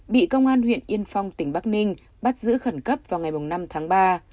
bị công an huyện yên phong tỉnh bắc ninh bắt giữ khẩn cấp vào ngày năm tháng ba